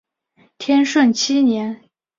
天顺七年。